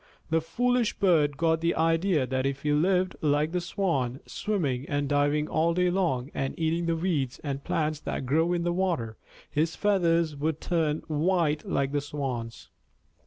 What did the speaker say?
The foolish bird got the idea that if he lived like the Swan, swimming and diving all day long and eating the weeds and plants that grow in the water, his feathers would turn white like the Swan's.